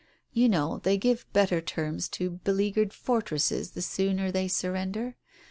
You know, they give better terms to beleaguered fortresses the sooner they surrender?